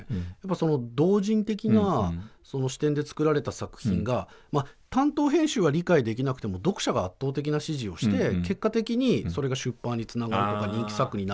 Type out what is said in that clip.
その同人的な視点で作られた作品が担当編集は理解できなくても読者が圧倒的な支持をして結果的にそれが出版につながるとか人気作になるという。